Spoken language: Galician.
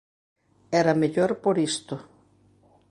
Era mellor por isto.